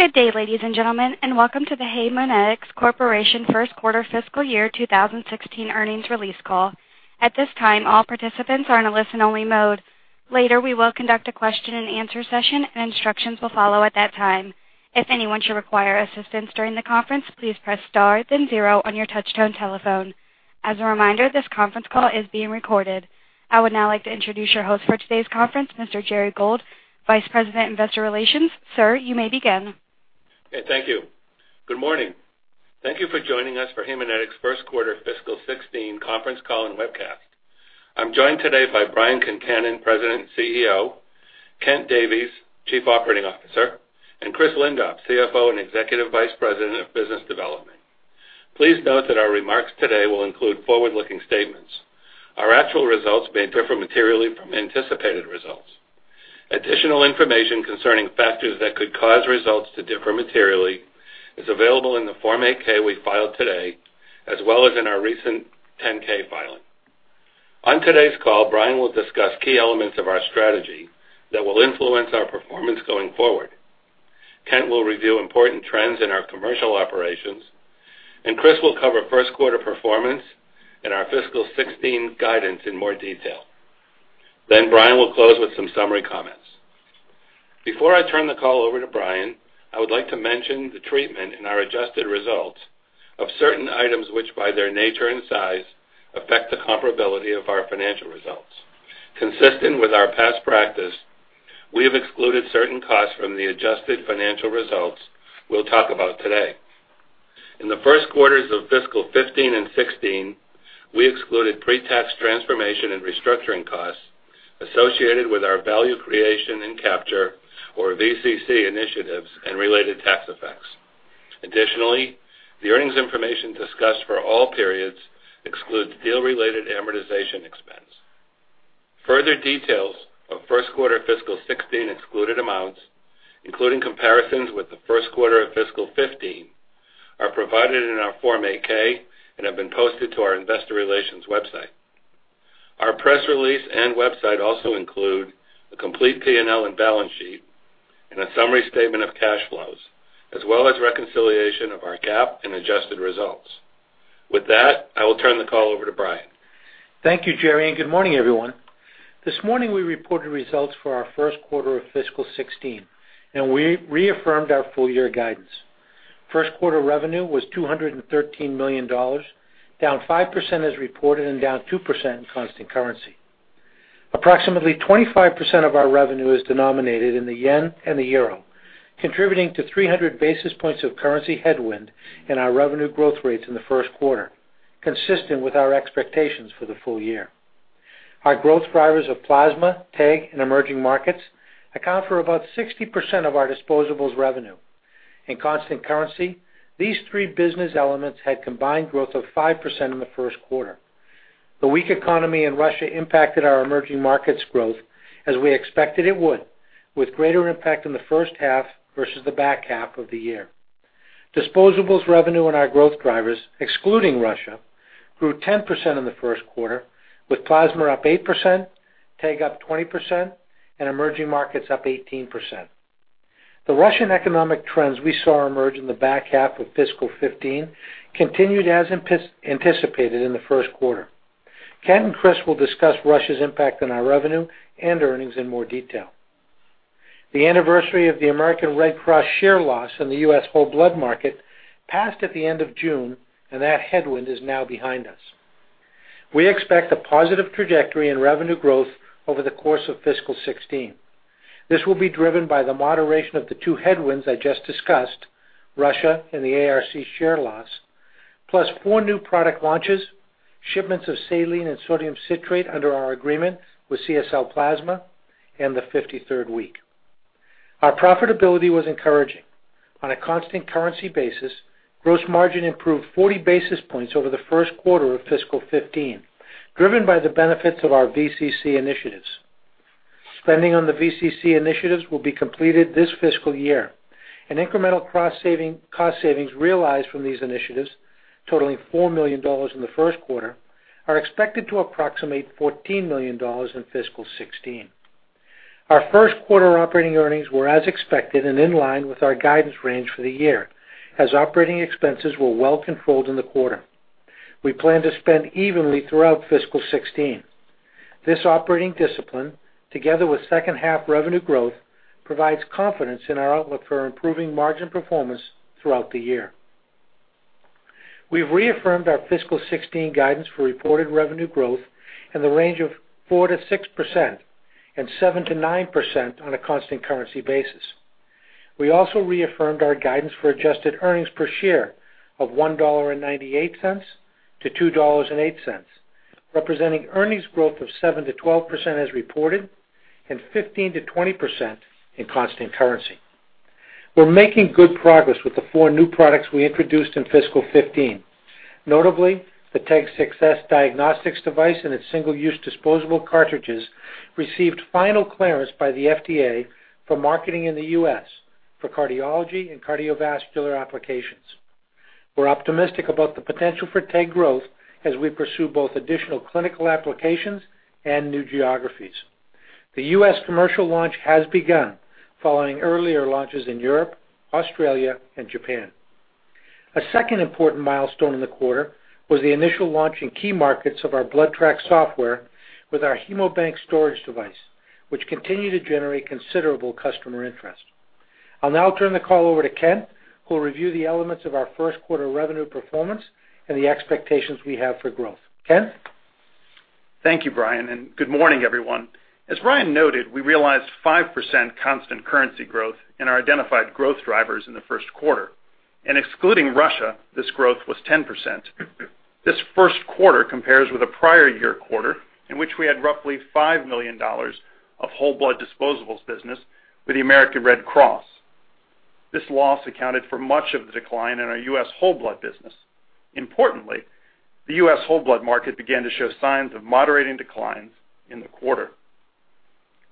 Good day, ladies and gentlemen, and welcome to the Haemonetics Corporation First Quarter Fiscal Year 2016 earnings release call. At this time, all participants are in a listen-only mode. Later, we will conduct a question-and-answer session, and instructions will follow at that time. If anyone should require assistance during the conference, please press star then zero on your touchtone telephone. As a reminder, this conference call is being recorded. I would now like to introduce your host for today's conference, Mr. Gerry Gould, Vice President, Investor Relations. Sir, you may begin. Okay, thank you. Good morning. Thank you for joining us for Haemonetics' first quarter fiscal 2016 conference call and webcast. I'm joined today by Brian Concannon, President and CEO, Kent Davies, Chief Operating Officer, and Chris Lindop, CFO and Executive Vice President of Business Development. Please note that our remarks today will include forward-looking statements. Our actual results may differ materially from anticipated results. Additional information concerning factors that could cause results to differ materially is available in the Form 8-K we filed today, as well as in our recent 10-K filing. On today's call, Brian will discuss key elements of our strategy that will influence our performance going forward. Kent will review important trends in our commercial operations, and Chris will cover first-quarter performance and our fiscal 2016 guidance in more detail. Brian will close with some summary comments. Before I turn the call over to Brian, I would like to mention the treatment in our adjusted results of certain items, which by their nature and size, affect the comparability of our financial results. Consistent with our past practice, we have excluded certain costs from the adjusted financial results we'll talk about today. In the first quarters of fiscal 2015 and 2016, we excluded pre-tax transformation and restructuring costs associated with our value creation and capture, or VCC initiatives, and related tax effects. Additionally, the earnings information discussed for all periods excludes deal-related amortization expense. Further details of first quarter fiscal 2016 excluded amounts, including comparisons with the first quarter of fiscal 2015, are provided in our Form 8-K and have been posted to our investor relations website. Our press release and website also include a complete P&L and balance sheet and a summary statement of cash flows, as well as reconciliation of our GAAP and adjusted results. With that, I will turn the call over to Brian. Thank you, Gerry, and good morning, everyone. This morning, we reported results for our first quarter of fiscal 2016, and we reaffirmed our full-year guidance. First quarter revenue was $213 million, down 5% as reported and down 2% in constant currency. Approximately 25% of our revenue is denominated in the JPY and the EUR, contributing to 300 basis points of currency headwind in our revenue growth rates in the first quarter, consistent with our expectations for the full year. Our growth drivers of plasma, TEG, and emerging markets account for about 60% of our disposables revenue. In constant currency, these three business elements had combined growth of 5% in the first quarter. The weak economy in Russia impacted our emerging markets growth as we expected it would, with greater impact in the first half versus the back half of the year. Disposables revenue in our growth drivers, excluding Russia, grew 10% in the first quarter, with plasma up 8%, TEG up 20%, and emerging markets up 18%. The Russian economic trends we saw emerge in the back half of fiscal 2015 continued as anticipated in the first quarter. Ronald Gelbman and Chris will discuss Russia's impact on our revenue and earnings in more detail. The anniversary of the American Red Cross share loss in the U.S. whole blood market passed at the end of June, and that headwind is now behind us. We expect a positive trajectory in revenue growth over the course of fiscal 2016. This will be driven by the moderation of the two headwinds I just discussed, Russia and the ARC share loss, plus four new product launches, shipments of saline and sodium citrate under our agreement with CSL Plasma, and the 53rd week. Our profitability was encouraging. On a constant currency basis, gross margin improved 40 basis points over the first quarter of fiscal 2015, driven by the benefits of our VCC initiatives. Spending on the VCC initiatives will be completed this fiscal year, and incremental cost savings realized from these initiatives, totaling $4 million in the first quarter, are expected to approximate $14 million in fiscal 2016. Our first quarter operating earnings were as expected and in line with our guidance range for the year, as operating expenses were well controlled in the quarter. We plan to spend evenly throughout fiscal 2016. This operating discipline, together with second half revenue growth, provides confidence in our outlook for improving margin performance throughout the year. We've reaffirmed our fiscal 2016 guidance for reported revenue growth in the range of 4%-6% and 7%-9% on a constant currency basis. We also reaffirmed our guidance for adjusted earnings per share of $1.98-$2.08, representing earnings growth of 7%-12% as reported and 15%-20% in constant currency. We're making good progress with the four new products we introduced in fiscal 2015. Notably, the TEG 6s diagnostics device and its single-use disposable cartridges received final clearance by the FDA for marketing in the U.S. for cardiology and cardiovascular applications. We're optimistic about the potential for TEG growth as we pursue both additional clinical applications and new geographies. The U.S. commercial launch has begun following earlier launches in Europe, Australia, and Japan. A second important milestone in the quarter was the initial launch in key markets of our BloodTrack software with our HaemoBank storage device, which continue to generate considerable customer interest. I'll now turn the call over to Kent, who will review the elements of our first quarter revenue performance and the expectations we have for growth. Kent? Thank you, Brian, and good morning, everyone. As Brian noted, we realized 5% constant currency growth in our identified growth drivers in the first quarter, and excluding Russia, this growth was 10%. This first quarter compares with a prior year quarter in which we had roughly $5 million of whole blood disposables business with the American Red Cross. This loss accounted for much of the decline in our U.S. whole blood business. Importantly, the U.S. whole blood market began to show signs of moderating declines in the quarter.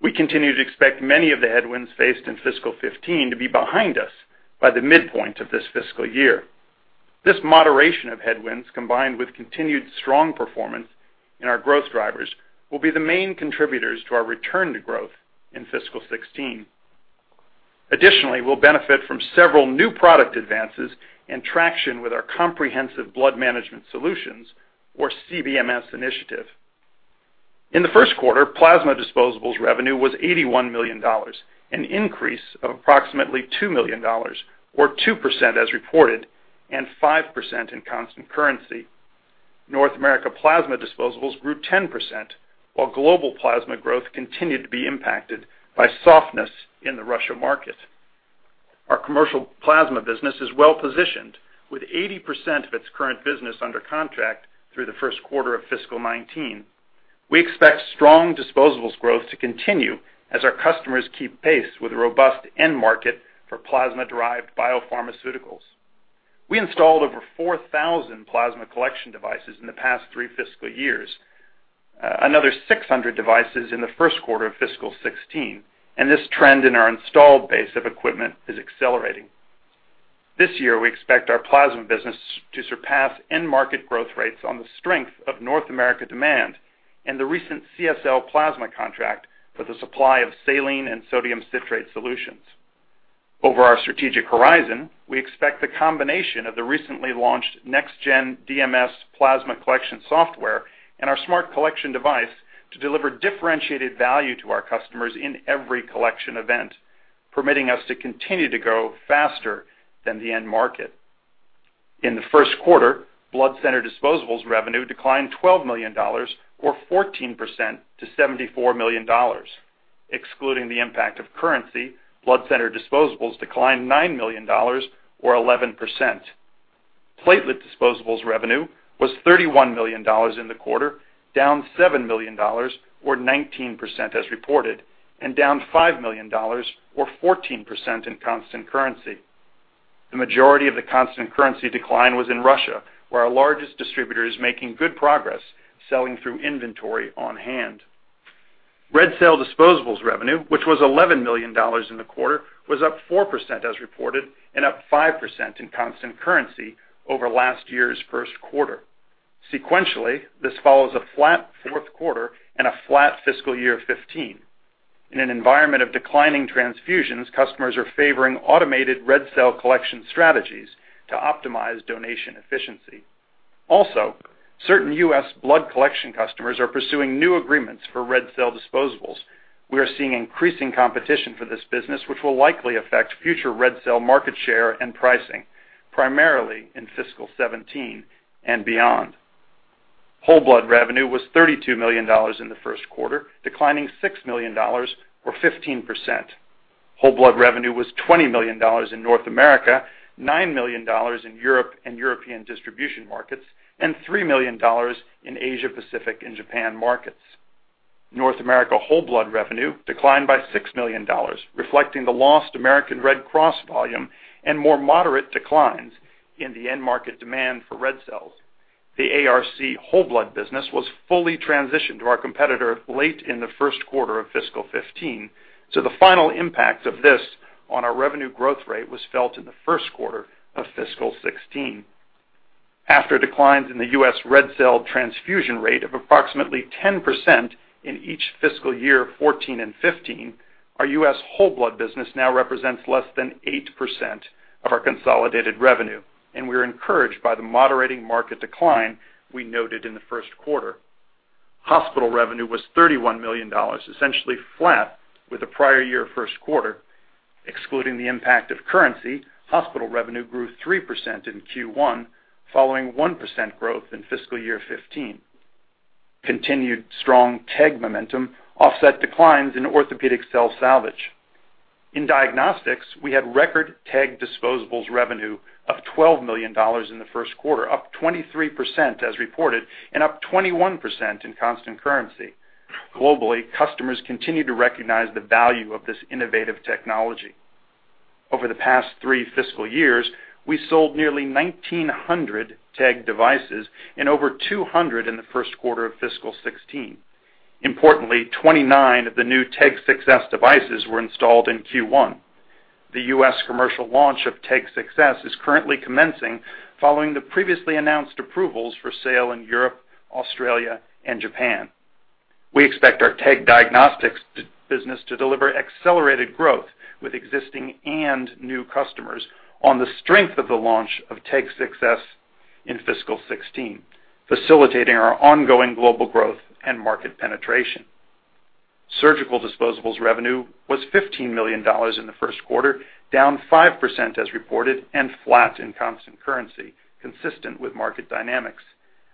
We continue to expect many of the headwinds faced in fiscal 2015 to be behind us by the midpoint of this fiscal year. This moderation of headwinds, combined with continued strong performance in our growth drivers, will be the main contributors to our return to growth in fiscal 2016. Additionally, we'll benefit from several new product advances and traction with our comprehensive blood management solutions or CBMS initiative. In the first quarter, plasma disposables revenue was $81 million, an increase of approximately $2 million, or 2% as reported and 5% in constant currency. North America plasma disposables grew 10%, while global plasma growth continued to be impacted by softness in the Russia market. Our commercial plasma business is well-positioned with 80% of its current business under contract through the first quarter of fiscal 2019. We expect strong disposables growth to continue as our customers keep pace with the robust end market for plasma-derived biopharmaceuticals. We installed over 4,000 plasma collection devices in the past three fiscal years, another 600 devices in the first quarter of fiscal 2016, and this trend in our installed base of equipment is accelerating. This year, we expect our plasma business to surpass end market growth rates on the strength of North America demand and the recent CSL Plasma contract for the supply of saline and sodium citrate solutions. Over our strategic horizon, we expect the combination of the recently launched NexLynk DMS plasma collection software and our smart collection device to deliver differentiated value to our customers in every collection event, permitting us to continue to grow faster than the end market. In the first quarter, blood center disposables revenue declined $12 million or 14% to $74 million. Excluding the impact of currency, blood center disposables declined $9 million or 11%. Platelet disposables revenue was $31 million in the quarter, down $7 million or 19% as reported and down $5 million or 14% in constant currency. The majority of the constant currency decline was in Russia, where our largest distributor is making good progress selling through inventory on hand. Red cell disposables revenue, which was $11 million in the quarter, was up 4% as reported and up 5% in constant currency over last year's first quarter. Sequentially, this follows a flat fourth quarter and a flat fiscal year of 2015. In an environment of declining transfusions, customers are favoring automated red cell collection strategies to optimize donation efficiency. Also, certain U.S. blood collection customers are pursuing new agreements for red cell disposables. We are seeing increasing competition for this business, which will likely affect future red cell market share and pricing, primarily in fiscal 2017 and beyond. Whole blood revenue was $32 million in the first quarter, declining $6 million or 15%. Whole blood revenue was $20 million in North America, $9 million in Europe and European distribution markets, and $3 million in Asia Pacific and Japan markets. North America whole blood revenue declined by $6 million, reflecting the lost American Red Cross volume and more moderate declines in the end market demand for red cells. The ARC whole blood business was fully transitioned to our competitor late in the first quarter of fiscal 2015, so the final impact of this on our revenue growth rate was felt in the first quarter of fiscal 2016. After declines in the U.S. red cell transfusion rate of approximately 10% in each fiscal year 2014 and 2015, our U.S. whole blood business now represents less than 8% of our consolidated revenue, and we are encouraged by the moderating market decline we noted in the first quarter. Hospital revenue was $31 million, essentially flat with the prior year first quarter. Excluding the impact of currency, hospital revenue grew 3% in Q1, following 1% growth in fiscal year 2015. Continued strong TEG momentum offset declines in orthopedic cell salvage. In diagnostics, we had record TEG disposables revenue of $12 million in the first quarter, up 23% as reported and up 21% in constant currency. Globally, customers continue to recognize the value of this innovative technology. Over the past three fiscal years, we sold nearly 1,900 TEG devices and over 200 in the first quarter of fiscal 2016. Importantly, 29 of the new TEG 6s devices were installed in Q1. The U.S. commercial launch of TEG 6s is currently commencing following the previously announced approvals for sale in Europe, Australia, and Japan. We expect our TEG diagnostics business to deliver accelerated growth with existing and new customers on the strength of the launch of TEG 6s in fiscal 2016, facilitating our ongoing global growth and market penetration. Surgical disposables revenue was $15 million in the first quarter, down 5% as reported and flat in constant currency, consistent with market dynamics.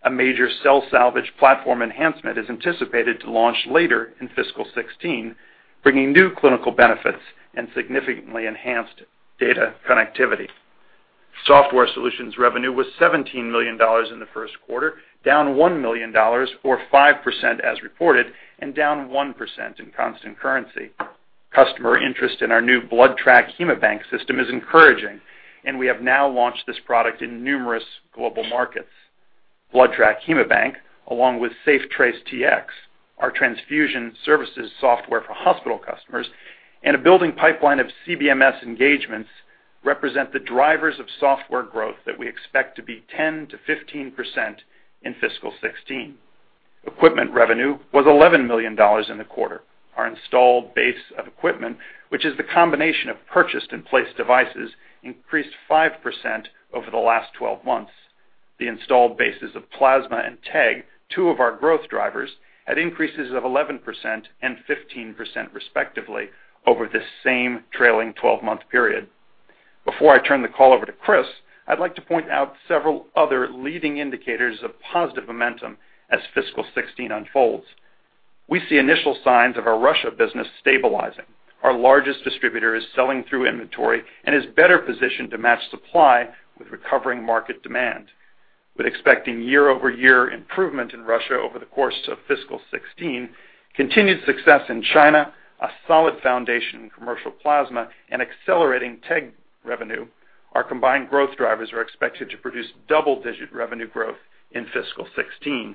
A major cell salvage platform enhancement is anticipated to launch later in fiscal 2016, bringing new clinical benefits and significantly enhanced data connectivity. Software solutions revenue was $17 million in the first quarter, down $1 million or 5% as reported and down 1% in constant currency. Customer interest in our new BloodTrack HaemoBank system is encouraging, and we have now launched this product in numerous global markets. BloodTrack HaemoBank, along with SafeTrace Tx, our transfusion services software for hospital customers, and a building pipeline of CBMS engagements represent the drivers of software growth that we expect to be 10%-15% in fiscal 2016. Equipment revenue was $11 million in the quarter. Our installed base of equipment, which is the combination of purchased in-place devices, increased 5% over the last 12 months. The installed bases of plasma and TEG, two of our growth drivers, had increases of 11% and 15%, respectively, over this same trailing 12-month period. Before I turn the call over to Chris, I'd like to point out several other leading indicators of positive momentum as fiscal 2016 unfolds. We see initial signs of our Russia business stabilizing. Our largest distributor is selling through inventory and is better positioned to match supply with recovering market demand. We're expecting year-over-year improvement in Russia over the course of fiscal 2016, continued success in China, a solid foundation in commercial plasma, and accelerating TEG revenue. Our combined growth drivers are expected to produce double-digit revenue growth in fiscal 2016.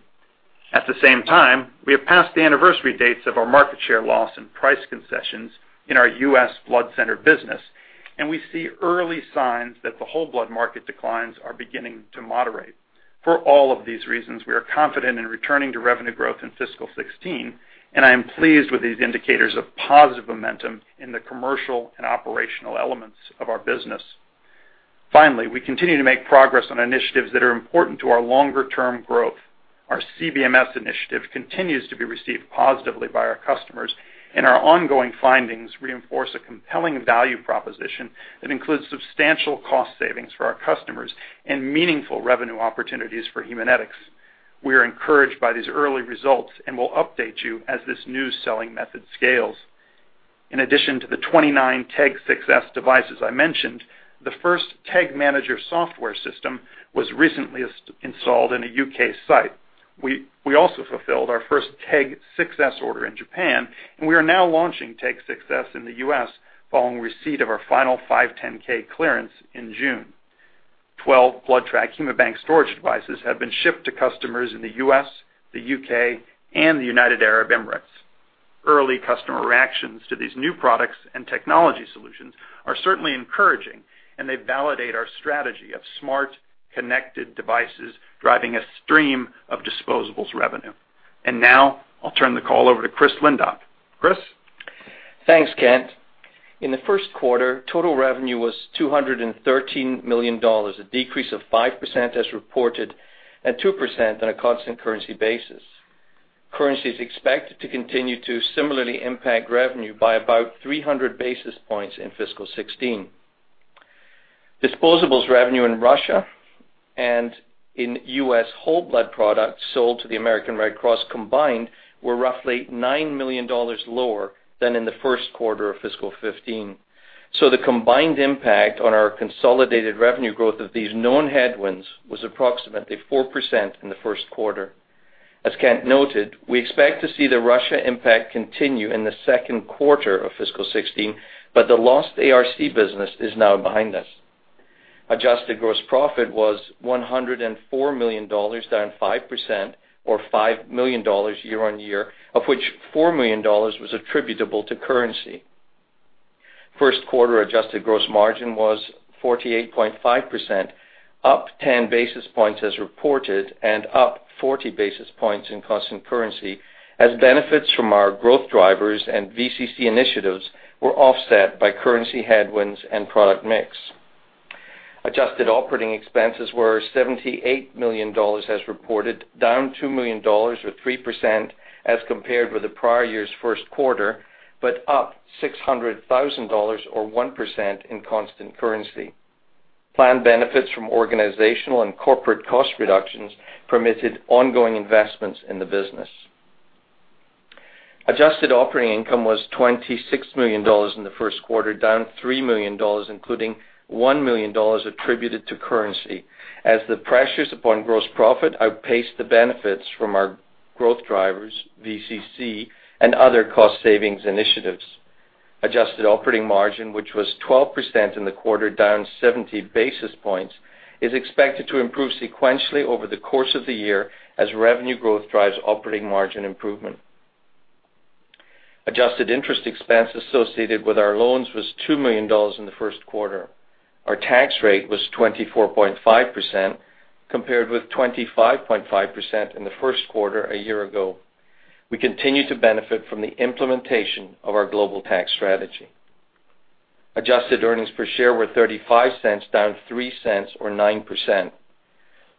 At the same time, we have passed the anniversary dates of our market share loss and price concessions in our U.S. blood center business, and we see early signs that the whole blood market declines are beginning to moderate. For all of these reasons, we are confident in returning to revenue growth in fiscal 2016. I am pleased with these indicators of positive momentum in the commercial and operational elements of our business. Finally, we continue to make progress on initiatives that are important to our longer-term growth. Our CBMS initiative continues to be received positively by our customers. Our ongoing findings reinforce a compelling value proposition that includes substantial cost savings for our customers and meaningful revenue opportunities for Haemonetics. We are encouraged by these early results and will update you as this new selling method scales. In addition to the 29 TEG 6s devices I mentioned, the first TEG Manager software system was recently installed in a U.K. site. We also fulfilled our first TEG 6s order in Japan. We are now launching TEG 6s in the U.S. following receipt of our final 510(k) clearance in June. 12 BloodTrack HaemoBank storage devices have been shipped to customers in the U.S., the U.K., and the United Arab Emirates. Early customer reactions to these new products and technology solutions are certainly encouraging. They validate our strategy of smart, connected devices driving a stream of disposables revenue. Now I'll turn the call over to Chris Lindop. Chris? Thanks, Kent. In the first quarter, total revenue was $213 million, a decrease of 5% as reported and 2% on a constant currency basis. Currency is expected to continue to similarly impact revenue by about 300 basis points in fiscal 2016. Disposables revenue in Russia and in U.S. whole blood products sold to the American Red Cross combined were roughly $9 million lower than in the first quarter of fiscal 2015. The combined impact on our consolidated revenue growth of these known headwinds was approximately 4% in the first quarter. As Kent noted, we expect to see the Russia impact continue in the second quarter of fiscal 2016, but the lost ARC business is now behind us. Adjusted gross profit was $104 million, down 5% or $5 million year-on-year, of which $4 million was attributable to currency. First-quarter adjusted gross margin was 48.5%, up 10 basis points as reported and up 40 basis points in constant currency, as benefits from our growth drivers and VCC initiatives were offset by currency headwinds and product mix. Adjusted operating expenses were $78 million as reported, down $2 million or 3% as compared with the prior year's first quarter, but up $600,000 or 1% in constant currency. Planned benefits from organizational and corporate cost reductions permitted ongoing investments in the business. Adjusted operating income was $26 million in the first quarter, down $3 million, including $1 million attributed to currency as the pressures upon gross profit outpaced the benefits from our growth drivers, VCC, and other cost savings initiatives. Adjusted operating margin, which was 12% in the quarter, down 70 basis points, is expected to improve sequentially over the course of the year as revenue growth drives operating margin improvement. Adjusted interest expense associated with our loans was $2 million in the first quarter. Our tax rate was 24.5% compared with 25.5% in the first quarter a year ago. We continue to benefit from the implementation of our global tax strategy. Adjusted earnings per share were $0.35, down $0.03 or 9%.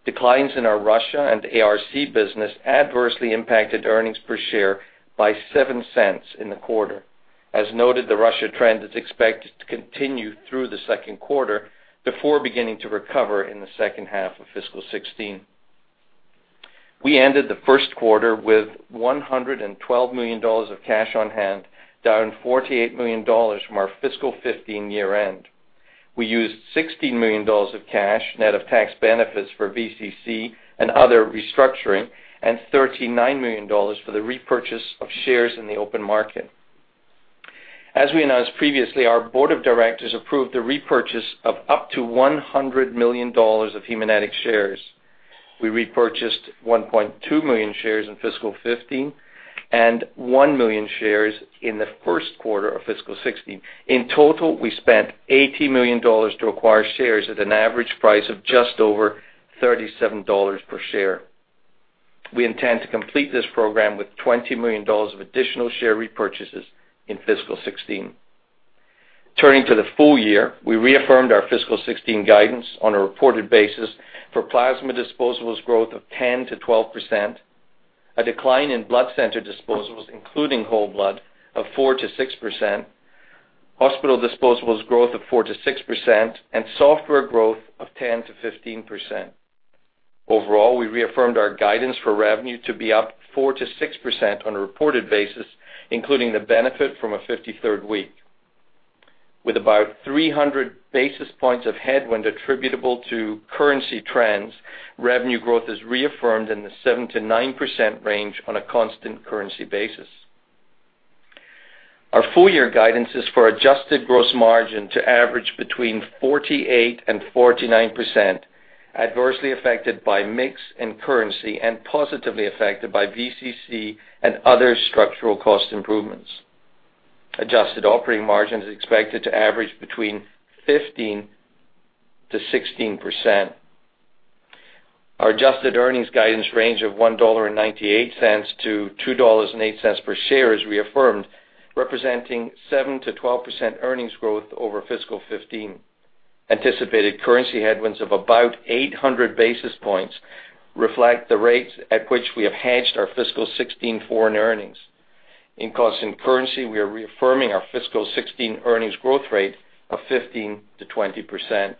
Declines in our Russia and ARC business adversely impacted earnings per share by $0.07 in the quarter. As noted, the Russia trend is expected to continue through the second quarter before beginning to recover in the second half of fiscal 2016. We ended the first quarter with $112 million of cash on hand, down $48 million from our fiscal 2015 year-end. We used $16 million of cash, net of tax benefits for VCC and other restructuring, and $39 million for the repurchase of shares in the open market. As we announced previously, our Board of Directors approved the repurchase of up to $100 million of Haemonetics shares. We repurchased 1.2 million shares in fiscal 2015 and 1 million shares in the first quarter of fiscal 2016. In total, we spent $80 million to acquire shares at an average price of just over $37 per share. We intend to complete this program with $20 million of additional share repurchases in fiscal 2016. Turning to the full year, we reaffirmed our fiscal 2016 guidance on a reported basis for plasma disposables growth of 10%-12%, a decline in blood center disposables, including whole blood, of 4%-6%, hospital disposables growth of 4%-6%, and software growth of 10%-15%. Overall, we reaffirmed our guidance for revenue to be up 4%-6% on a reported basis, including the benefit from a 53rd week. With about 300 basis points of headwind attributable to currency trends, revenue growth is reaffirmed in the 7%-9% range on a constant currency basis. Our full year guidance is for adjusted gross margin to average between 48% and 49%, adversely affected by mix and currency, and positively affected by VCC and other structural cost improvements. Adjusted operating margin is expected to average between 15% and 16%. Our adjusted earnings guidance range of $1.98-$2.08 per share is reaffirmed, representing 7%-12% earnings growth over fiscal 2015. Anticipated currency headwinds of about 800 basis points reflect the rates at which we have hedged our fiscal 2016 foreign earnings. In constant currency, we are reaffirming our fiscal 2016 earnings growth rate of 15%-20%.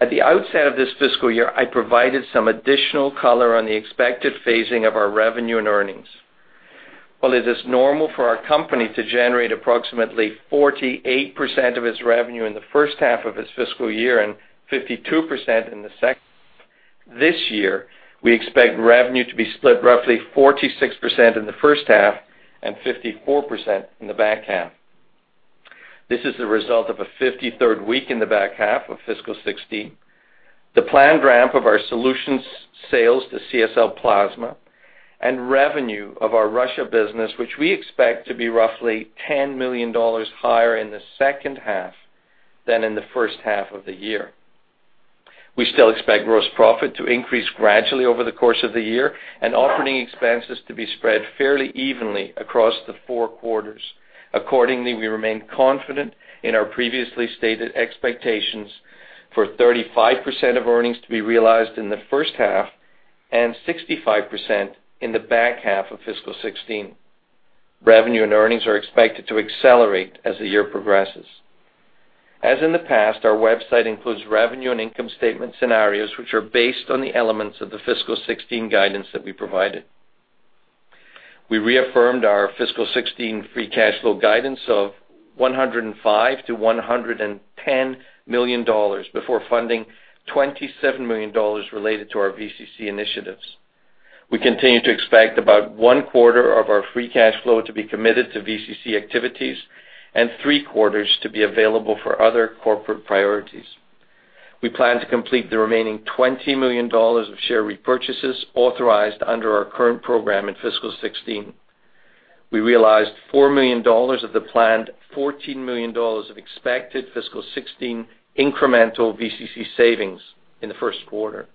At the outset of this fiscal year, I provided some additional color on the expected phasing of our revenue and earnings. While it is normal for our company to generate approximately 48% of its revenue in the first half of its fiscal year and 52% in the second, this year, we expect revenue to be split roughly 46% in the first half and 54% in the back half. This is the result of a 53rd week in the back half of fiscal 2016. The planned ramp of our solutions sales to CSL Plasma and revenue of our Russia business, which we expect to be roughly $10 million higher in the second half than in the first half of the year. We still expect gross profit to increase gradually over the course of the year and operating expenses to be spread fairly evenly across the four quarters. Accordingly, we remain confident in our previously stated expectations for 35% of earnings to be realized in the first half and 65% in the back half of fiscal 2016. Revenue and earnings are expected to accelerate as the year progresses. As in the past, our website includes revenue and income statement scenarios which are based on the elements of the fiscal 2016 guidance that we provided. We reaffirmed our fiscal 2016 free cash flow guidance of $105 million-$110 million before funding $27 million related to our VCC initiatives. We continue to expect about one quarter of our free cash flow to be committed to VCC activities and three-quarters to be available for other corporate priorities. We plan to complete the remaining $20 million of share repurchases authorized under our current program in fiscal 2016. We realized $4 million of the planned $14 million of expected fiscal 2016 incremental VCC savings in the first quarter.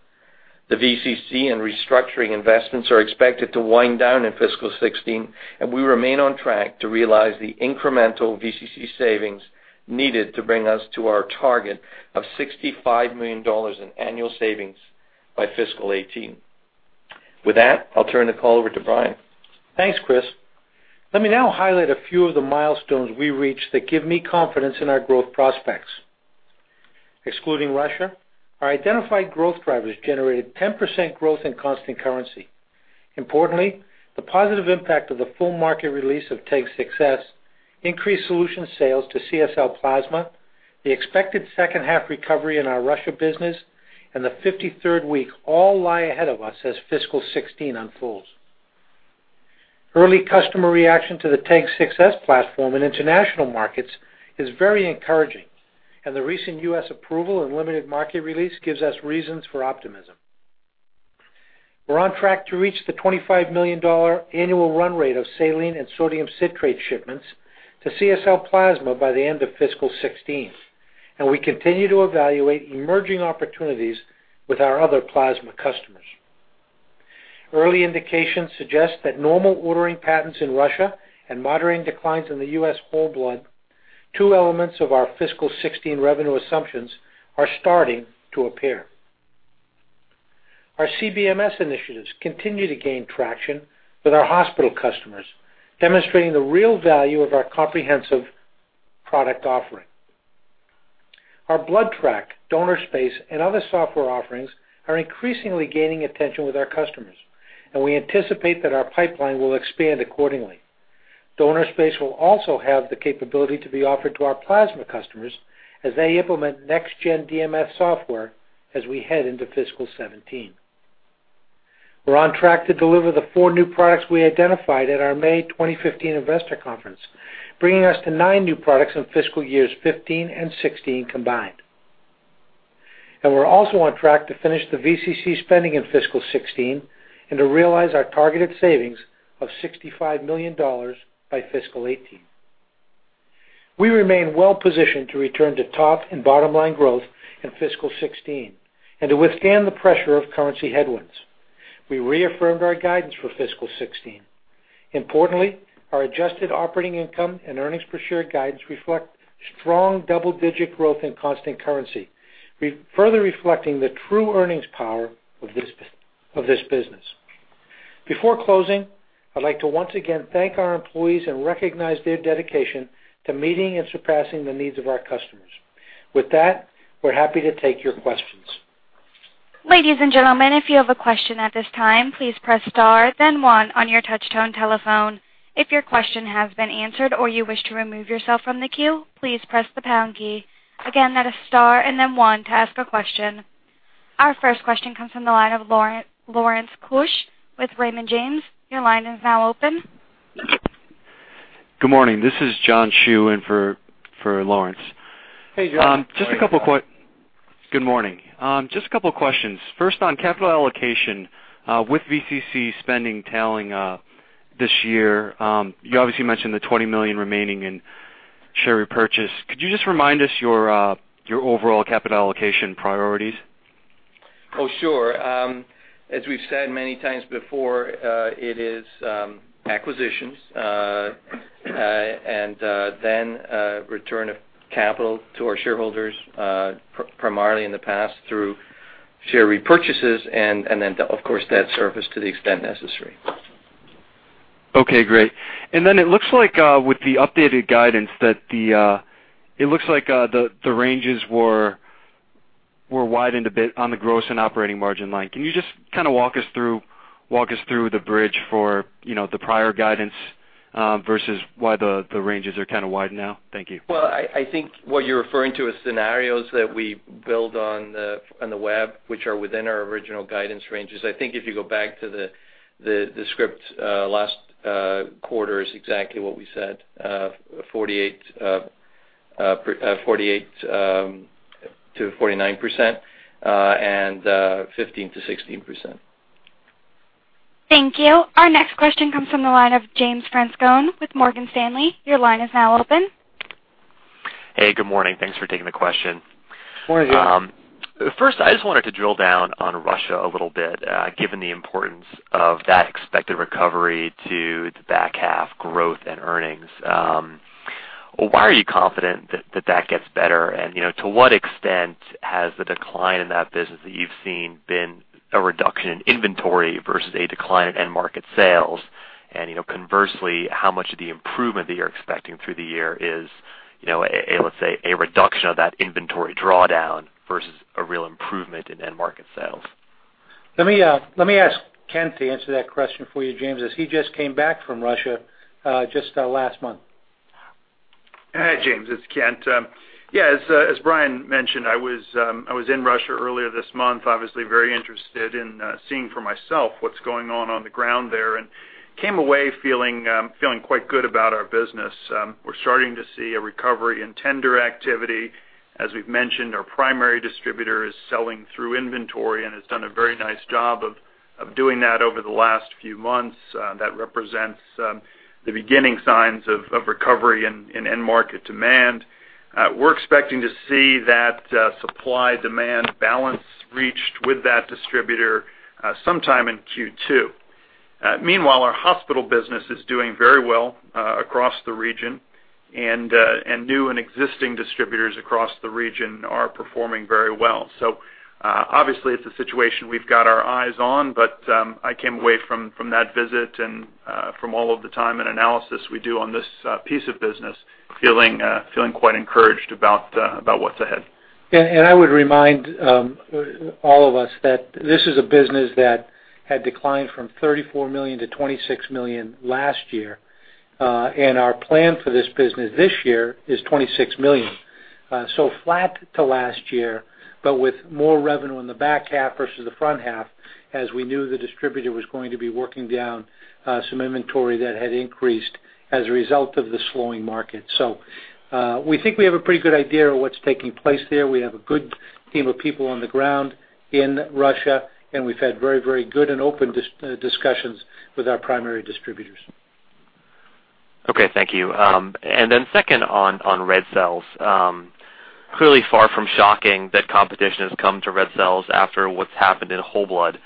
The VCC and restructuring investments are expected to wind down in fiscal 2016, and we remain on track to realize the incremental VCC savings needed to bring us to our target of $65 million in annual savings by fiscal 2018. With that, I'll turn the call over to Brian. Thanks, Chris. Let me now highlight a few of the milestones we reached that give me confidence in our growth prospects. Excluding Russia, our identified growth drivers generated 10% growth in constant currency. Importantly, the positive impact of the full market release of TEG 6s increased solution sales to CSL Plasma. The expected second half recovery in our Russia business and the 53rd week all lie ahead of us as fiscal 2016 unfolds. Early customer reaction to the TEG 6s platform in international markets is very encouraging, and the recent U.S. approval and limited market release gives us reasons for optimism. We're on track to reach the $25 million annual run rate of saline and sodium citrate shipments to CSL Plasma by the end of fiscal 2016, and we continue to evaluate emerging opportunities with our other plasma customers. Early indications suggest that normal ordering patterns in Russia and moderate declines in the U.S. whole blood, two elements of our fiscal 2016 revenue assumptions, are starting to appear. Our CBMS initiatives continue to gain traction with our hospital customers, demonstrating the real value of our comprehensive product offering. Our BloodTrack, Donor360, and other software offerings are increasingly gaining attention with our customers, and we anticipate that our pipeline will expand accordingly. Donor360 will also have the capability to be offered to our plasma customers as they implement next-gen DMS software as we head into fiscal 2017. We're on track to deliver the four new products we identified at our May 2015 investor conference, bringing us to nine new products in fiscal years 2015 and 2016 combined. We're also on track to finish the VCC spending in fiscal 2016 and to realize our targeted savings of $65 million by fiscal 2018. We remain well-positioned to return to top and bottom-line growth in fiscal 2016 and to withstand the pressure of currency headwinds. We reaffirmed our guidance for fiscal 2016. Importantly, our adjusted operating income and earnings per share guidance reflect strong double-digit growth in constant currency, further reflecting the true earnings power of this business. Before closing, I'd like to once again thank our employees and recognize their dedication to meeting and surpassing the needs of our customers. With that, we're happy to take your questions. Ladies and gentlemen, if you have a question at this time, please press star then one on your touch-tone telephone. If your question has been answered or you wish to remove yourself from the queue, please press the pound key. Again, that is star and then one to ask a question. Our first question comes from the line of Lawrence Keusch with Raymond James. Your line is now open. Good morning. This is John Shew in for Lawrence. Hey, John. Good morning. Just a couple of questions. First, on capital allocation, with VCC spending tailing this year, you obviously mentioned the $20 million remaining in share repurchase. Could you just remind us your overall capital allocation priorities? Oh, sure. As we've said many times before, it is acquisitions and then return of capital to our shareholders, primarily in the past through share repurchases, and then, of course, debt service to the extent necessary. Okay, great. It looks like with the updated guidance, it looks like the ranges were widened a bit on the gross and operating margin line. Can you just walk us through the bridge for the prior guidance versus why the ranges are widened now? Thank you. Well, I think what you're referring to is scenarios that we build on the web, which are within our original guidance ranges. I think if you go back to the script, last quarter is exactly what we said, 48%-49% and 15%-16%. Thank you. Our next question comes from the line of James Franscone with Morgan Stanley. Your line is now open. Hey, good morning. Thanks for taking the question. Morning, James. First, I just wanted to drill down on Russia a little bit, given the importance of that expected recovery to the back half growth and earnings. Why are you confident that that gets better? To what extent has the decline in that business that you've seen been a reduction in inventory versus a decline in end market sales? Conversely, how much of the improvement that you're expecting through the year is, let's say, a reduction of that inventory drawdown versus a real improvement in end market sales? Let me ask Kent to answer that question for you, James, as he just came back from Russia just last month. Hi, James. It's Kent. Yeah, as Brian mentioned, I was in Russia earlier this month, obviously very interested in seeing for myself what's going on on the ground there, and came away feeling quite good about our business. We're starting to see a recovery in tender activity. As we've mentioned, our primary distributor is selling through inventory and has done a very nice job of doing that over the last few months. That represents the beginning signs of recovery in end market demand. We're expecting to see that supply-demand balance reached with that distributor sometime in Q2. Meanwhile, our hospital business is doing very well across the region, and new and existing distributors across the region are performing very well. It's a situation we've got our eyes on, but I came away from that visit and from all of the time and analysis we do on this piece of business feeling quite encouraged about what's ahead. I would remind all of us that this is a business that had declined from $34 million to $26 million last year. Our plan for this business this year is $26 million. Flat to last year, but with more revenue in the back half versus the front half, as we knew the distributor was going to be working down some inventory that had increased as a result of the slowing market. We think we have a pretty good idea of what's taking place there. We have a good team of people on the ground in Russia, we've had very good and open discussions with our primary distributors. Okay, thank you. Second on red cells. Clearly far from shocking that competition has come to red cells after what's happened in whole blood.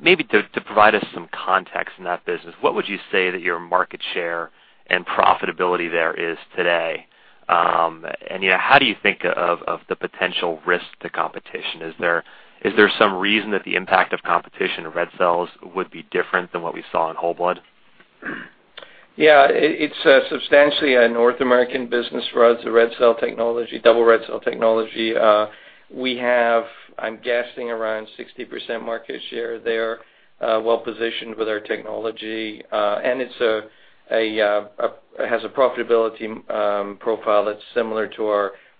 Maybe to provide us some context in that business, what would you say that your market share and profitability there is today? How do you think of the potential risk to competition? Is there some reason that the impact of competition on red cells would be different than what we saw in whole blood? Yeah, it's substantially a North American business for us, the double red cell technology. We have, I'm guessing, around 60% market share there, well-positioned with our technology. It has a profitability profile that's similar to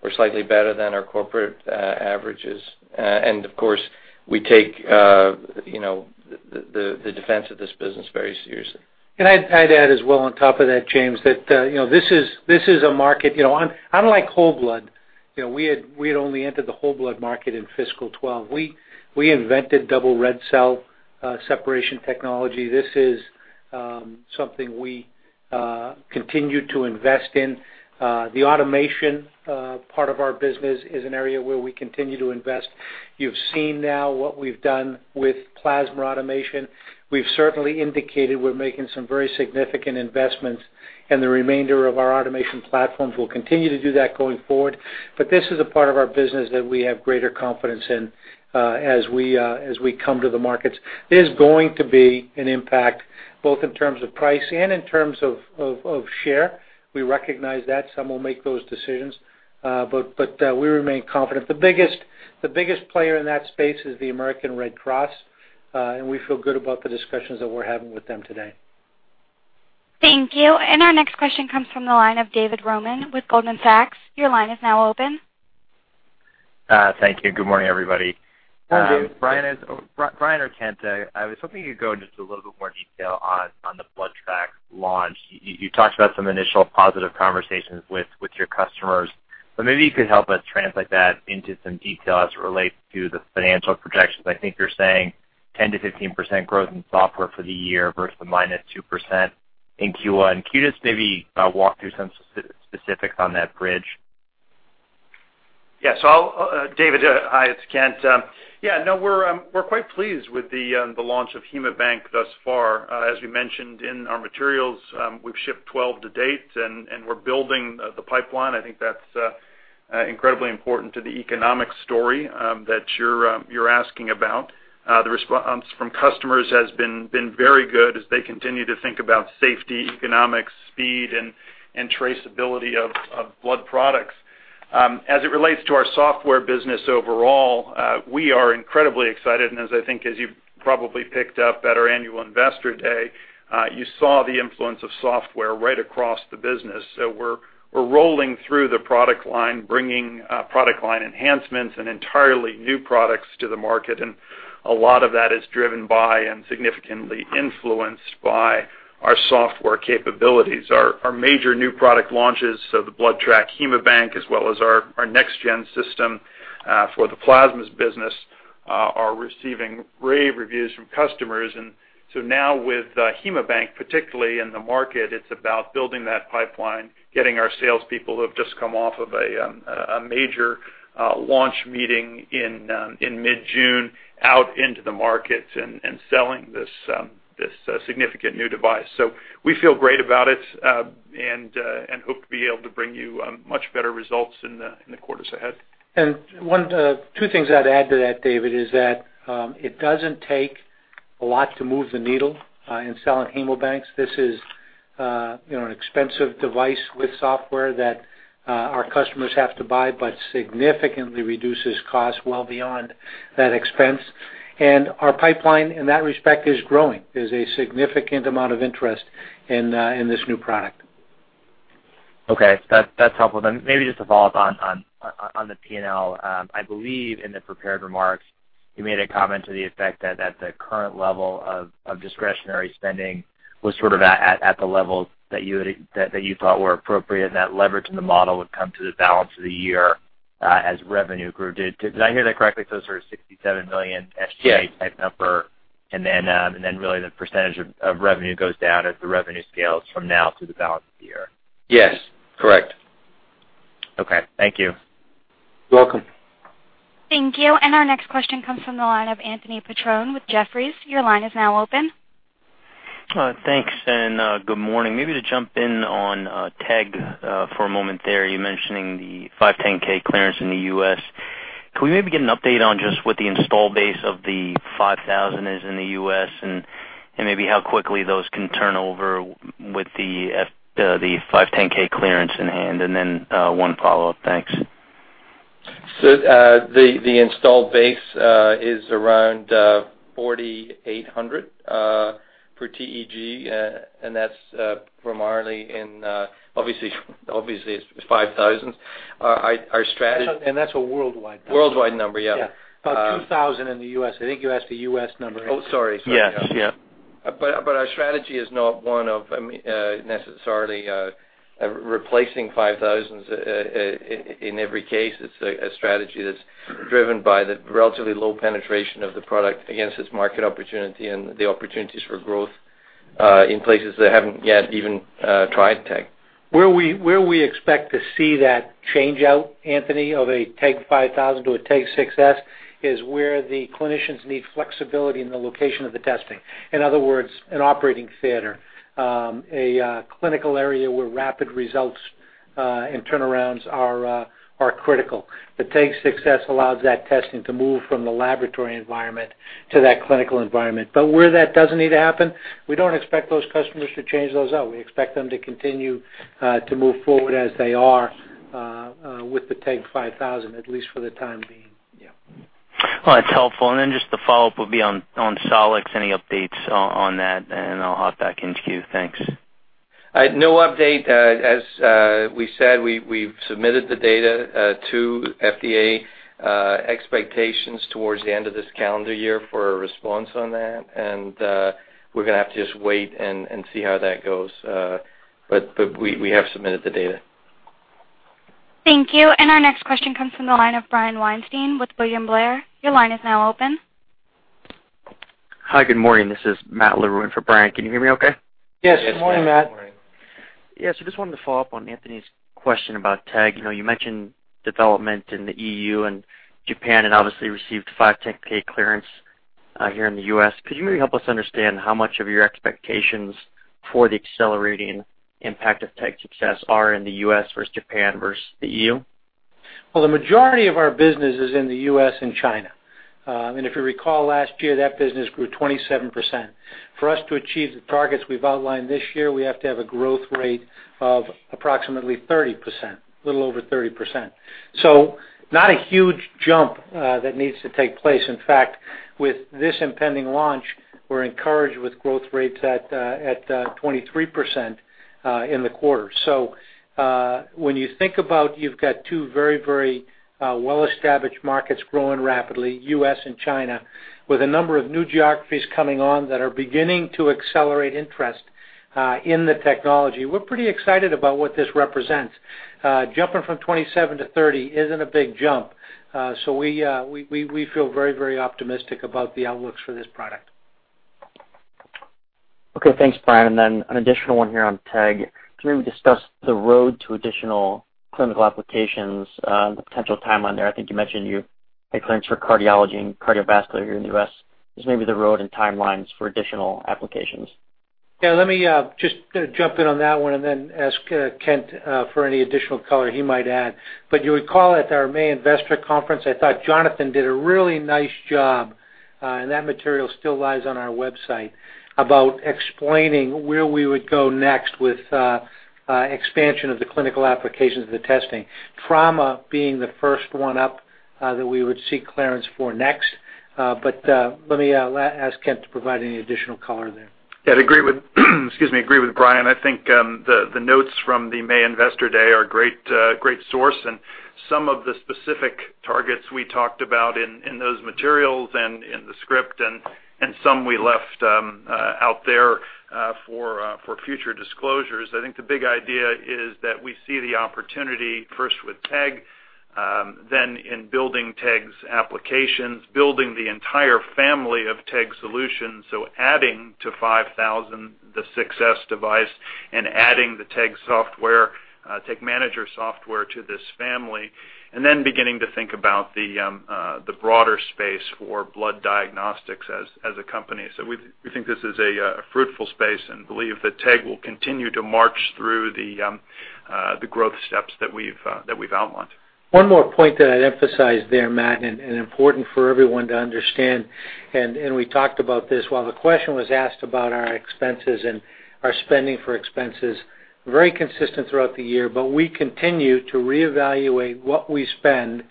or slightly better than our corporate averages. Of course, we take the defense of this business very seriously. I'd add as well on top of that, James, that this is a market unlike whole blood. We had only entered the whole blood market in fiscal 2012. We invented double red cell separation technology. This is something we continue to invest in. The automation part of our business is an area where we continue to invest. You've seen now what we've done with plasma automation. We've certainly indicated we're making some very significant investments in the remainder of our automation platforms. We'll continue to do that going forward. This is a part of our business that we have greater confidence in as we come to the markets. There's going to be an impact, both in terms of price and in terms of share. We recognize that. Some will make those decisions. We remain confident. The biggest player in that space is the American Red Cross. We feel good about the discussions that we're having with them today. Thank you. Our next question comes from the line of David Roman with Goldman Sachs. Your line is now open. Thank you. Good morning, everybody. Morning, Dave. Brian or Kent, I was hoping you'd go into just a little bit more detail on the BloodTrack launch. You talked about some initial positive conversations with your customers, but maybe you could help us translate that into some detail as it relates to the financial projections. I think you're saying 10%-15% growth in software for the year versus the -2% in Q1. Can you just maybe walk through some specifics on that bridge? Yes. David, hi, it's Kent. We're quite pleased with the launch of HaemoBank thus far. As we mentioned in our materials, we've shipped 12 to date, and we're building the pipeline. I think that's incredibly important to the economic story that you're asking about. The response from customers has been very good as they continue to think about safety, economics, speed, and traceability of blood products. As it relates to our software business overall, we are incredibly excited, and as I think as you probably picked up at our Annual Investor Day, you saw the influence of software right across the business. We're rolling through the product line, bringing product line enhancements and entirely new products to the market, and a lot of that is driven by and significantly influenced by our software capabilities. Our major new product launches, the BloodTrack, HaemoBank, as well as our next-gen system for the plasmas business are receiving rave reviews from customers. Now with HaemoBank, particularly in the market, it's about building that pipeline, getting our salespeople who have just come off of a major launch meeting in mid-June out into the markets and selling this significant new device. We feel great about it and hope to be able to bring you much better results in the quarters ahead. Two things I'd add to that, David, is that it doesn't take a lot to move the needle in selling HaemoBanks. This is an expensive device with software that our customers have to buy, but significantly reduces cost well beyond that expense. Our pipeline in that respect is growing. There's a significant amount of interest in this new product. Okay. That's helpful. Maybe just to follow up on the P&L. I believe in the prepared remarks, you made a comment to the effect that the current level of discretionary spending was sort of at the levels that you thought were appropriate and that leverage in the model would come to the balance of the year as revenue grew. Did I hear that correctly for sort of $67 million SG&A- Yes type number then really the percentage of revenue goes down as the revenue scales from now through the balance of the year? Yes. Correct. Okay. Thank you. You're welcome. Thank you. Our next question comes from the line of Anthony Petrone with Jefferies. Your line is now open. Thanks, good morning. Maybe to jump in on TEG for a moment there, you mentioning the 510 clearance in the U.S. Can we maybe get an update on just what the install base of the 5000 is in the U.S., and maybe how quickly those can turn over with the 510 clearance in hand? Then, one follow-up. Thanks. The install base is around 4,800 for TEG, and that's primarily in, obviously, it's 5,000. That's a worldwide number. Worldwide number, yeah. Yeah. About 2,000 in the U.S. I think you asked the U.S. number. Oh, sorry. Yes. Our strategy is not one of necessarily replacing 5,000s in every case. It's a strategy that's driven by the relatively low penetration of the product against its market opportunity and the opportunities for growth, in places that haven't yet even tried TEG. Where we expect to see that change out, Anthony, of a TEG 5000 to a TEG 6s, is where the clinicians need flexibility in the location of the testing. In other words, an operating theater, a clinical area where rapid results, and turnarounds are critical. The TEG 6s allows that testing to move from the laboratory environment to that clinical environment. Where that doesn't need to happen, we don't expect those customers to change those out. We expect them to continue to move forward as they are with the TEG 5000, at least for the time being. Yeah. Well, that's helpful. Then just the follow-up would be on Solix. Any updates on that, and I'll hop back into queue. Thanks. No update. As we said, we've submitted the data to FDA. Expectations towards the end of this calendar year for a response on that. We're going to have to just wait and see how that goes. We have submitted the data. Thank you. Our next question comes from the line of Brian Weinstein with William Blair. Your line is now open. Hi, good morning. This is Matt Larew for Brian. Can you hear me okay? Yes. Good morning, Matt. Yes, Matt. Good morning. Yeah. Just wanted to follow up on Anthony’s question about TEG. You mentioned development in the EU and Japan and obviously received 510 clearance here in the U.S. Could you maybe help us understand how much of your expectations for the accelerating impact of TEG success are in the U.S. versus Japan versus the EU? Well, the majority of our business is in the U.S. and China. If you recall, last year, that business grew 27%. For us to achieve the targets we’ve outlined this year, we have to have a growth rate of approximately 30%, a little over 30%. Not a huge jump that needs to take place. In fact, with this impending launch, we’re encouraged with growth rates at 23% in the quarter. When you think about you’ve got two very, very well-established markets growing rapidly, U.S. and China, with a number of new geographies coming on that are beginning to accelerate interest in the technology, we’re pretty excited about what this represents. Jumping from 27 to 30 isn’t a big jump. We feel very, very optimistic about the outlooks for this product. Okay. Thanks, Brian. Then an additional one here on TEG. Can you maybe discuss the road to additional clinical applications, the potential timeline there? I think you mentioned you had clearance for cardiology and cardiovascular here in the U.S. Just maybe the road and timelines for additional applications. Yeah, let me just jump in on that one and then ask Kent for any additional color he might add. You'll recall at our May Investor Day, I thought Jonathan did a really nice job, and that material still lies on our website, about explaining where we would go next with expansion of the clinical applications of the testing, trauma being the first one up that we would seek clearance for next. Let me ask Kent to provide any additional color there. Yeah, I agree with excuse me, agree with Brian. I think the notes from the May Investor Day are great source and some of the specific targets we talked about in those materials and in the script and some we left out there for future disclosures. I think the big idea is that we see the opportunity first with TEG, then in building TEG's applications, building the entire family of TEG solutions, so adding to TEG 5000, the 6s device and adding the TEG software, TEG Manager software to this family, then beginning to think about the broader space for blood diagnostics as a company. We think this is a fruitful space and believe that TEG will continue to march through the growth steps that we've outlined. One more point that I'd emphasize there, Matt, important for everyone to understand. We talked about this while the question was asked about our expenses and our spending for expenses, very consistent throughout the year. We continue to reevaluate what we spend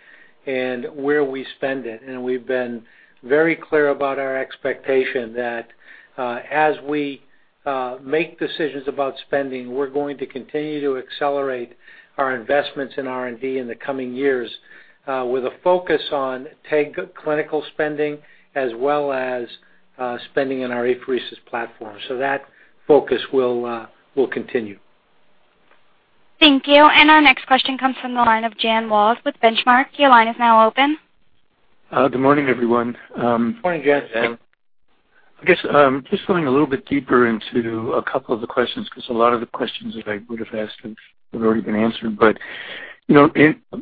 and where we spend it. We've been very clear about our expectation that as we make decisions about spending, we're going to continue to accelerate our investments in R&D in the coming years with a focus on TEG clinical spending as well as spending on our apheresis platform. That focus will continue. Thank you. Our next question comes from the line of Jan Walas with Benchmark. Your line is now open. Good morning, everyone. Morning, Jan. Morning, Jan.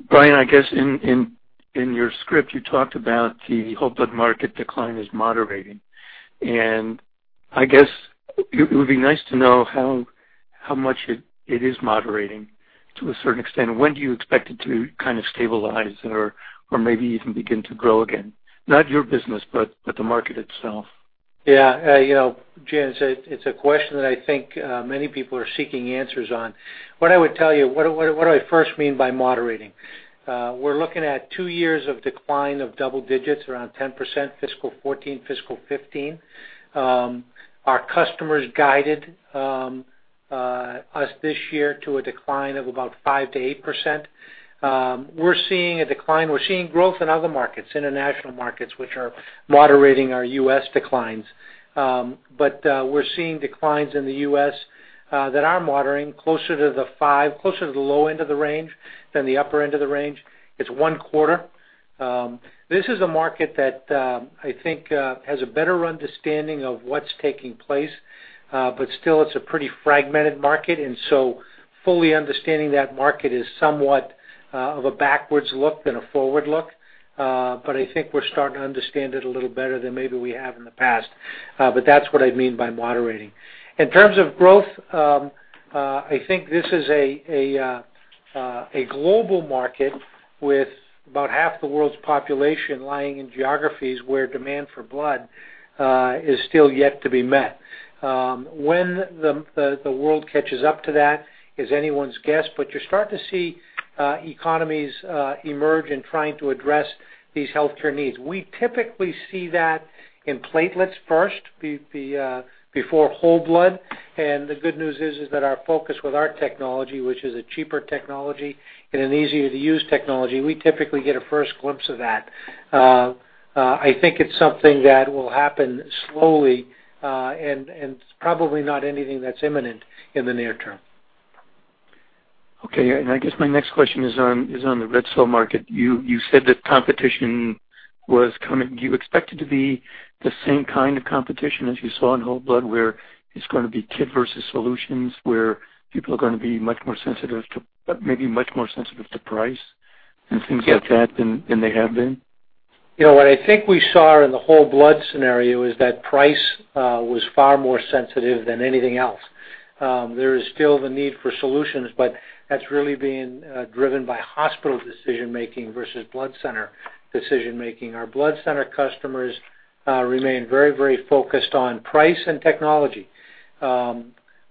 Brian, I guess in your script, you talked about the whole blood market decline is moderating. I guess it would be nice to know how. How much it is moderating to a certain extent. When do you expect it to stabilize or maybe even begin to grow again? Not your business, but the market itself. Yeah. Jan, it's a question that I think many people are seeking answers on. What I would tell you, what do I first mean by moderating? We're looking at two years of decline of double digits, around 10%, fiscal 2014, fiscal 2015. Our customers guided us this year to a decline of about 5% to 8%. We're seeing growth in other markets, international markets, which are moderating our U.S. declines. We're seeing declines in the U.S. that are moderating closer to the low end of the range than the upper end of the range. It's one quarter. This is a market that I think has a better understanding of what's taking place, but still it's a pretty fragmented market, fully understanding that market is somewhat of a backwards look than a forward look. I think we're starting to understand it a little better than maybe we have in the past. That's what I mean by moderating. In terms of growth, I think this is a global market with about half the world's population lying in geographies where demand for blood is still yet to be met. When the world catches up to that is anyone's guess, you're starting to see economies emerge in trying to address these healthcare needs. We typically see that in platelets first, before whole blood. The good news is that our focus with our technology, which is a cheaper technology and an easier to use technology, we typically get a first glimpse of that. I think it's something that will happen slowly, it's probably not anything that's imminent in the near term. Okay, I guess my next question is on the red cell market. You said that competition was coming. Do you expect it to be the same kind of competition as you saw in whole blood where it's going to be kit versus solutions, where people are going to be much more sensitive to price and things like that than they have been? What I think we saw in the whole blood scenario is that price was far more sensitive than anything else. There is still the need for solutions, that's really being driven by hospital decision-making versus blood center decision-making. Our blood center customers remain very focused on price and technology.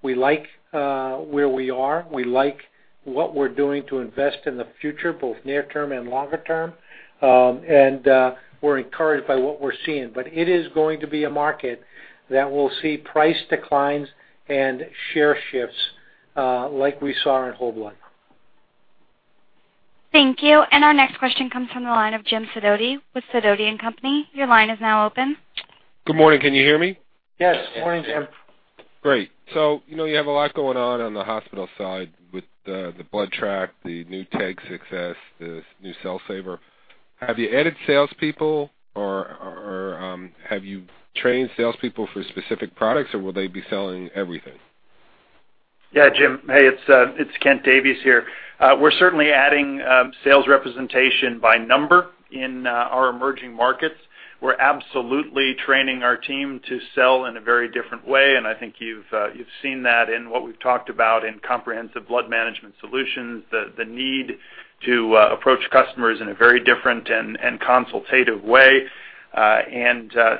We like where we are. We like what we're doing to invest in the future, both near term and longer term, we're encouraged by what we're seeing. It is going to be a market that will see price declines and share shifts, like we saw in whole blood. Thank you. Our next question comes from the line of James Sidoti with Sidoti & Company. Your line is now open. Good morning. Can you hear me? Yes. Morning, Jim. Great. You have a lot going on on the hospital side with the BloodTrack, the new TEG 6s, the new Cell Saver. Have you added salespeople or have you trained salespeople for specific products, or will they be selling everything? Yeah, Jim. Hey, it's Ronald Gelbman here. We're certainly adding sales representation by number in our emerging markets. We're absolutely training our team to sell in a very different way, and I think you've seen that in what we've talked about in comprehensive blood management solutions, the need to approach customers in a very different and consultative way. That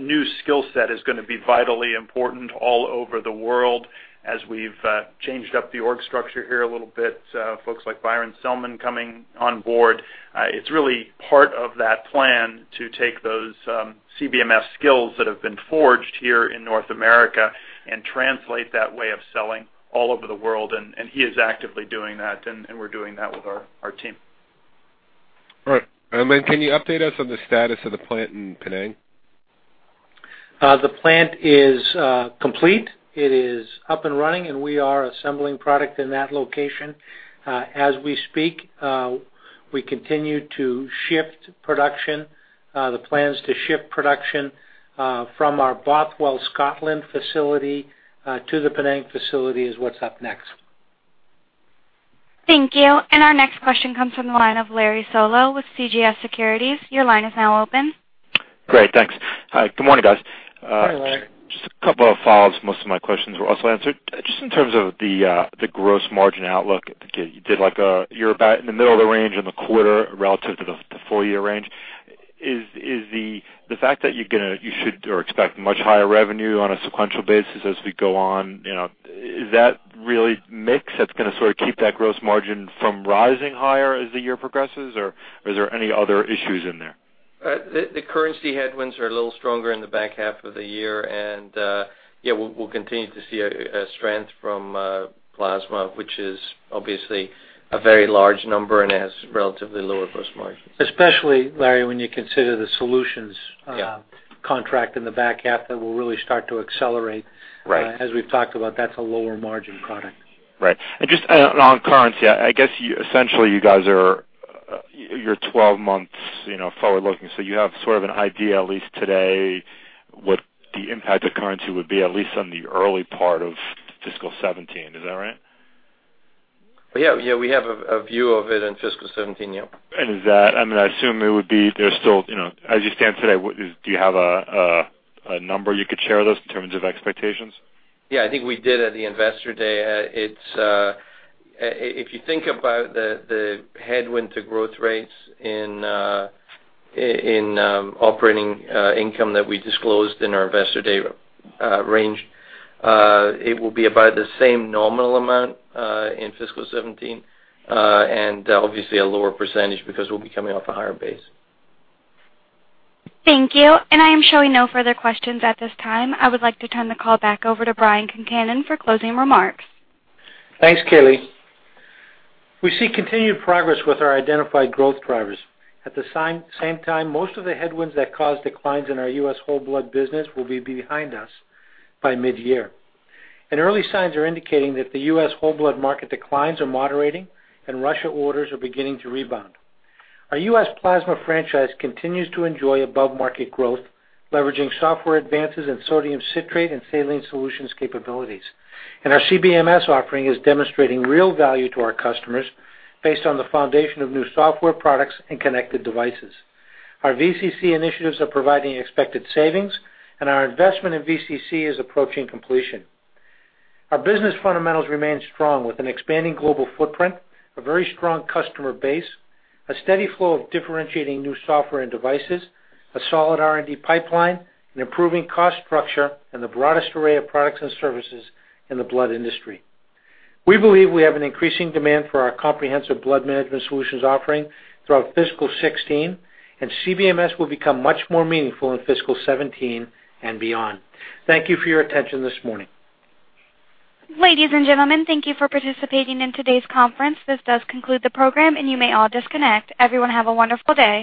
new skill set is going to be vitally important all over the world as we've changed up the org structure here a little bit, folks like Byron Selman coming on board. It's really part of that plan to take those CBMS skills that have been forged here in North America and translate that way of selling all over the world. He is actively doing that, and we're doing that with our team. All right. Can you update us on the status of the plant in Penang? The plant is complete. It is up and running, and we are assembling product in that location. As we speak, we continue to shift production. The plans to shift production from our Bothwell, Scotland facility to the Penang facility is what's up next. Thank you. Our next question comes from the line of Larry Solow with CJS Securities. Your line is now open. Great. Thanks. Good morning, guys. Good morning, Larry. Just a couple of follows. Most of my questions were also answered. Just in terms of the gross margin outlook, you're about in the middle of the range in the quarter relative to the full-year range. Is the fact that you should or expect much higher revenue on a sequential basis as we go on, is that really mix that's going to sort of keep that gross margin from rising higher as the year progresses? Is there any other issues in there? The currency headwinds are a little stronger in the back half of the year. Yeah, we'll continue to see a strength from plasma, which is obviously a very large number and has relatively lower gross margins. Especially, Larry, when you consider the solutions- Yeah contract in the back half, that will really start to accelerate. Right. As we've talked about, that's a lower margin product. Right. Just on currency, I guess essentially you're 12 months forward-looking. You have sort of an idea, at least today, what the impact of currency would be, at least on the early part of fiscal 2017. Is that right? Yeah, we have a view of it in fiscal 2017, yeah. I assume it would be, as you stand today, do you have a number you could share with us in terms of expectations? Yeah, I think we did at the Investor Day. If you think about the headwind to growth rates in operating income that we disclosed in our Investor Day range, it will be about the same nominal amount, in fiscal 2017, and obviously a lower percentage because we'll be coming off a higher base. Thank you. I am showing no further questions at this time. I would like to turn the call back over to Brian Concannon for closing remarks. Thanks, Kaylee. We see continued progress with our identified growth drivers. At the same time, most of the headwinds that caused declines in our U.S. whole blood business will be behind us by mid-year. Early signs are indicating that the U.S. whole blood market declines are moderating and Russia orders are beginning to rebound. Our U.S. plasma franchise continues to enjoy above-market growth, leveraging software advances in sodium citrate and saline solutions capabilities. Our CBMS offering is demonstrating real value to our customers based on the foundation of new software products and connected devices. Our VCC initiatives are providing expected savings, our investment in VCC is approaching completion. Our business fundamentals remain strong with an expanding global footprint, a very strong customer base, a steady flow of differentiating new software and devices, a solid R&D pipeline, an improving cost structure, and the broadest array of products and services in the blood industry. We believe we have an increasing demand for our comprehensive Blood Management Solutions offering throughout fiscal 2016. CBMS will become much more meaningful in fiscal 2017 and beyond. Thank you for your attention this morning. Ladies and gentlemen, thank you for participating in today's conference. This does conclude the program, you may all disconnect. Everyone, have a wonderful day.